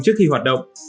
trước khi hoạt động